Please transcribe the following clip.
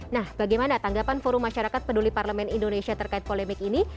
nah bagaimana tanggapan forum masyarakat peduli parlemen indonesia terkait polemik ini